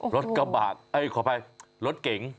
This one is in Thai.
รถกระบะขออภัยรถเก๋ง